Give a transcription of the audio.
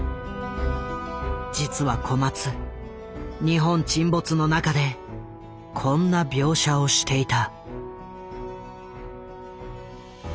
実は小松「日本沈没」の中でこんな描写をしていた。